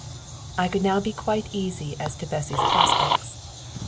] I could now be quite easy as to Bessy's prospects.